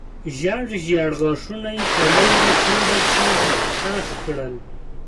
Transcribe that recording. ژېړ ژېړ غاښونه یې په لاندې شونډه کې خښ کړل.